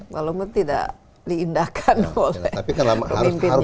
walaupun tidak diindahkan oleh pemimpinnya